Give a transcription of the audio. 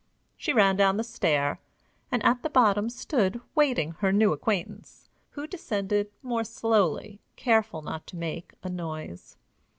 She ran down the stair, and at the bottom stood waiting her new acquaintance, who descended more slowly, careful not to make a noise.